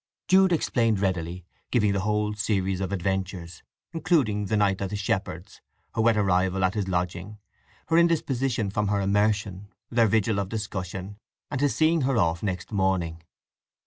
Jude explained readily; giving the whole series of adventures, including the night at the shepherd's, her wet arrival at his lodging, her indisposition from her immersion, their vigil of discussion, and his seeing her off next morning.